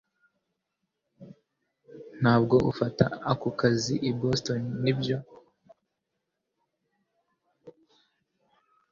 Ntabwo ufata ako kazi i Boston, nibyo?